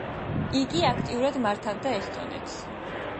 იგი აქტიურად მართავდა ესტონეთს.